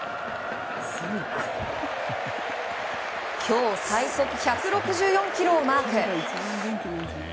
今日最速１６４キロをマーク。